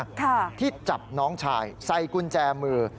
ค่ะที่จับน้องชายใส่กุญแจมือ